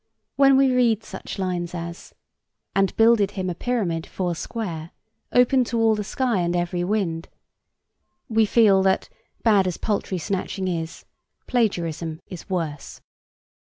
When we read such lines as: And builded him a pyramid, four square, Open to all the sky and every wind, we feel that bad as poultry snatching is, plagiarism is worse.